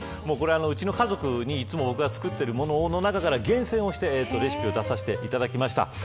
うちの家族にいつも僕が作っているものの中から厳選してレシピを出させていただきました。